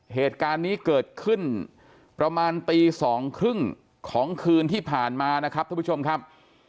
เหตุการณ์นี้เกิดขึ้นประมาณตีสองครึ่งของคืนที่ผ่านมานะครับท่านผู้ชมครับ